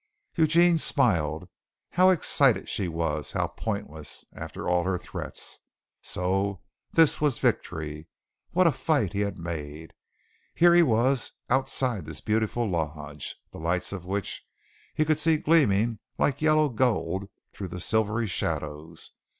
Eugene smiled. How excited she was! How pointless, after all her threats! So this was victory. What a fight he had made! Here he was outside this beautiful lodge, the lights of which he could see gleaming like yellow gold through the silvery shadows.